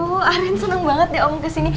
aduh arin seneng banget ya om kesini